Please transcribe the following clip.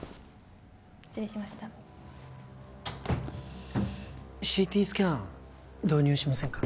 失礼しましたＣＴスキャン導入しませんか？